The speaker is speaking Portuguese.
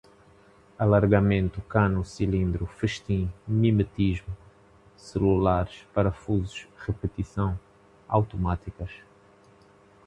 alargamento, cano, cilindro, festim, mimetismo, celulares, parafusos, repetição, automáticas